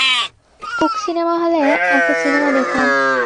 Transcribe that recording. কুকসিনেমা হলে একটা সিনেমা দেখলাম।